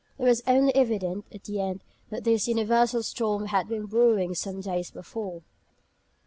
It was only evident at the end that this universal storm had been "brewing" some days before.